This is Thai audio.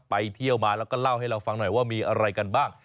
ไปเที่ยวมาแล้วก็เล่าให้เราฟังหน่อยว่ามีอะไรกันบ้าง